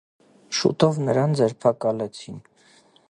Շուտով նրան ձերբակալեցին։